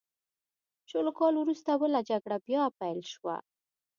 شلو کالو وروسته بله جګړه بیا پیل شوه.